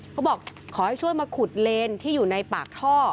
ขอให้ช่วยมาขุดเลนที่อยู่ในปากท่อ